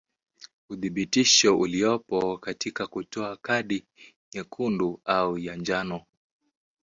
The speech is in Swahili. Uthibitisho uliopo katika kutoa kadi nyekundu au ya njano.